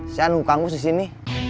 saya nunggu kang mus disini